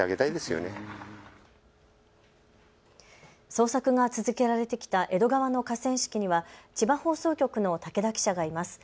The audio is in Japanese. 捜索が続けられてきた江戸川の河川敷には千葉放送局の武田記者がいます。